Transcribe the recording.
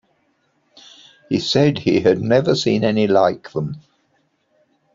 He said he had never seen any like them.